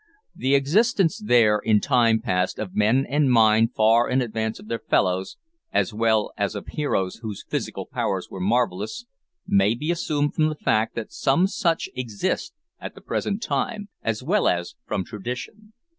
The existence there, in time past, of men of mind far in advance of their fellows, as well as of heroes whose physical powers were marvellous, may be assumed from the fact that some such exist at the present time, as well as from tradition.